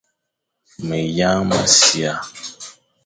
Meyañ mʼasia,